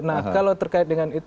nah kalau terkait dengan itu